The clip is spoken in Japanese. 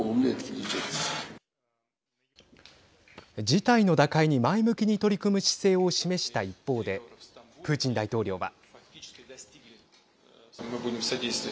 事態の打開に前向きに取り組む姿勢を示した一方でプーチン大統領は。